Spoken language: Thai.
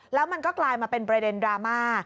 แล้วมันก็กลายมาเป็นประเด็นดราม่า